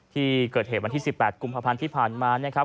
ที่เกิดเหตุวันที่๑๘กุมภาพันธ์ที่ผ่านมานะครับ